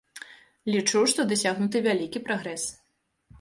Лічу, што дасягнуты вялікі прагрэс.